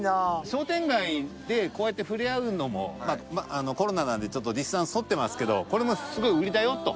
商店街でこうやってふれあうのもまあコロナなんでちょっとディスタンス取ってますけどこれもすごい売りだよと。